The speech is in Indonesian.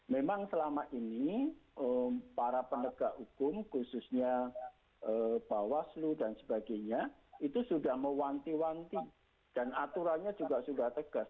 memang selama ini para penegak hukum khususnya bawaslu dan sebagainya itu sudah mewanti wanti dan aturannya juga sudah tegas